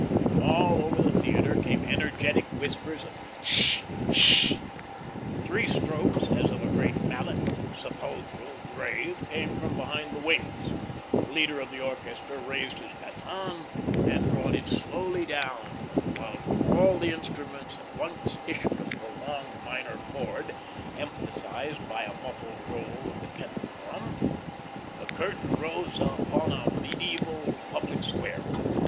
From all over the theatre came energetic whispers of "Sh! Sh!" Three strokes, as of a great mallet, sepulchral, grave, came from behind the wings; the leader of the orchestra raised his baton, then brought it slowly down, and while from all the instruments at once issued a prolonged minor chord, emphasised by a muffled roll of the kettle drum, the curtain rose upon a mediaeval public square.